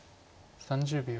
３０秒。